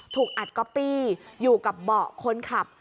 ถูกอัดก๊อปปี้อยู่กับเบาะคนขับ